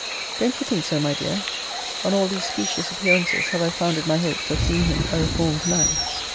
Don't you think so, my dear? On all these specious appearances, have I founded my hopes of seeing him a reformed man.